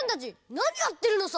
なにやってるのさ！